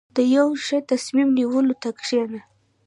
• د یو ښه تصمیم نیولو ته کښېنه.